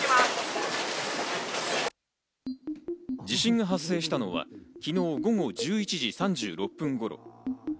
地震が発生したのは昨日午後１１時３６分頃。